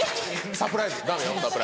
サプライズは。